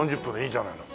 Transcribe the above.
いいじゃないの。